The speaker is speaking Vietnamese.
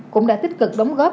cũng đã tích cực đóng góp